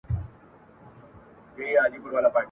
چی لېوه کړه د خره پښې ته خوله ورسمه ..